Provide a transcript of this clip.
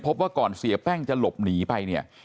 พบว่าก่อนเสียแป้งจะหลบหนีไปเนี่ย